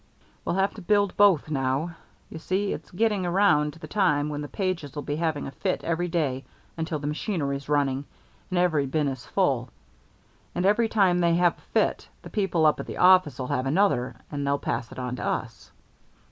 "We'll have to build both now. You see, it's getting around to the time when the Pages'll be having a fit every day until the machinery's running, and every bin is full. And every time they have a fit, the people up at the office'll have another, and they'll pass it on to us."